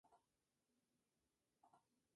El lema de la compañía es: "La vida.